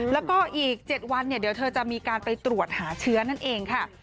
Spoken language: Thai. แล้วก็อีก๗วันเดี๋ยวเธอจะมีการไปตรวจหาเชื้อนั่นเองค่ะ